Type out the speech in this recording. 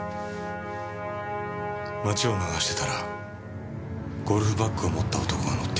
街を流してたらゴルフバッグを持った男が乗ってきた。